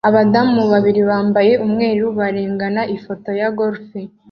Abadamu babiri bambaye umweru barengana ifoto ya golf